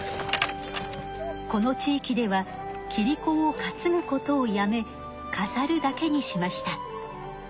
この地域ではキリコを担ぐことをやめかざるだけにしました。